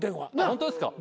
ホントですか？